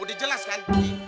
udah jelas kan